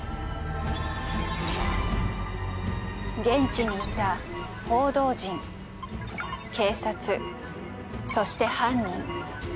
現地にいた報道陣警察そして犯人。